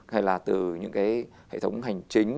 hay là từ những cái hệ thống hành chính